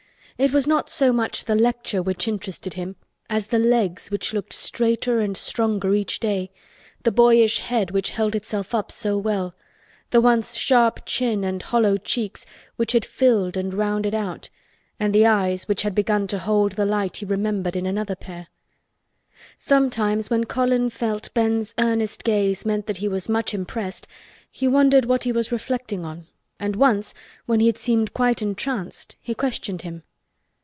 It was not so much the lecture which interested him as the legs which looked straighter and stronger each day, the boyish head which held itself up so well, the once sharp chin and hollow cheeks which had filled and rounded out and the eyes which had begun to hold the light he remembered in another pair. Sometimes when Colin felt Ben's earnest gaze meant that he was much impressed he wondered what he was reflecting on and once when he had seemed quite entranced he questioned him.